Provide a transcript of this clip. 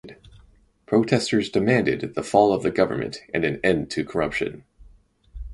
Protesters demanded the fall of the government and an end to corruption.